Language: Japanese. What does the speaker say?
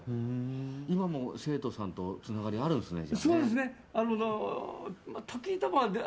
今も生徒さんとつながりあるんですね。